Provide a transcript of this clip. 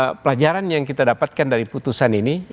nah pelajaran yang kita dapatkan dari putusan ini